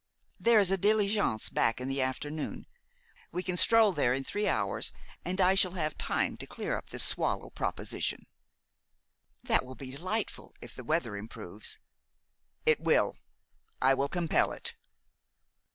There is a diligence back in the afternoon. We can stroll there in three hours, and I shall have time to clear up this swallow proposition." "That will be delightful, if the weather improves." "It will. I will compel it."